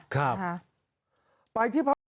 ครับ